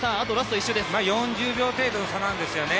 ４０秒程度の差なんですよね。